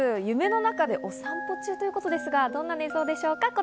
夢の中でお散歩中ということですが、どんなに寝相なのでしょうか？